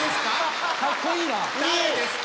誰ですか？